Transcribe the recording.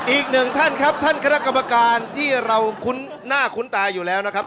อีกหนึ่งท่านครับท่านคณะกรรมการที่เราคุ้นหน้าคุ้นตาอยู่แล้วนะครับ